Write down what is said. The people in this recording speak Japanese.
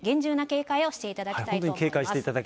警戒していただきたいと思います。